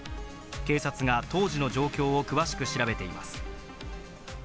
警察が当時の状況を詳しく調べています。